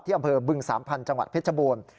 ที่อำเภอบึง๓พันธุ์จังหวัดเพชรบวม